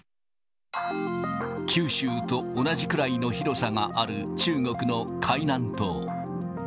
九州と同じくらいの広さがある、中国の海南島。